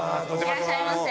いらっしゃいませ。